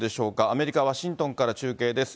アメリカ・ワシントンから中継です。